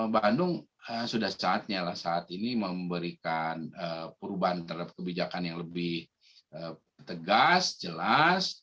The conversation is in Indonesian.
bandung sudah saatnya lah saat ini memberikan perubahan terhadap kebijakan yang lebih tegas jelas